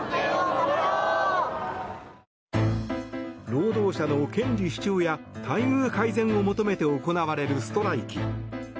労働者の権利主張や待遇改善を求めて行われるストライキ。